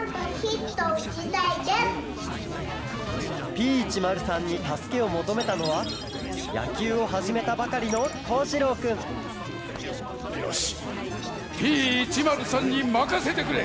Ｐ１０３にたすけをもとめたのはやきゅうをはじめたばかりのよしＰ１０３にまかせてくれ！